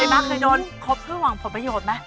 มาเคยโดนครบเพื่อหวังผลประโยชน์ไหม